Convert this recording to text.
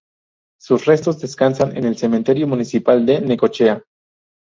Sus restos descansan en el Cementerio Municipal de Necochea.